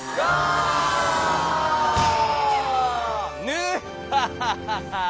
ヌハハハハ！